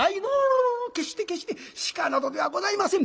「う決して決して鹿などではございませぬ」。